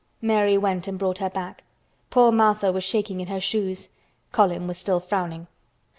Mary went and brought her back. Poor Martha was shaking in her shoes. Colin was still frowning.